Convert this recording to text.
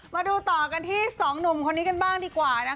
มาดูต่อกันที่สองหนุ่มคนนี้กันบ้างดีกว่านะคะ